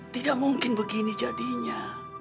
tidak mungkin begini jadinya